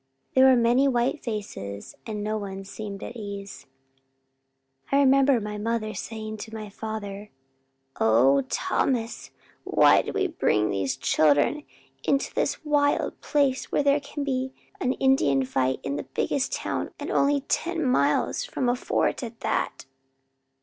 There were many white faces and no one seemed at ease. I remember my mother saying to my father, "Oh Thomas, why did we bring these children into this wild place where there can be an Indian fight in the biggest town and only ten miles from a fort at that."